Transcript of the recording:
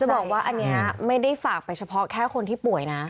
บอกว่าอันนี้ไม่ได้ฝากไปเฉพาะแค่คนที่ป่วยนะ